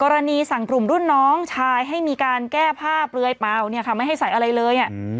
สั่งกลุ่มรุ่นน้องชายให้มีการแก้ผ้าเปลือยเปล่าเนี่ยค่ะไม่ให้ใส่อะไรเลย